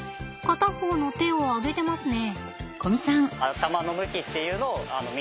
片方の手を上げてますね。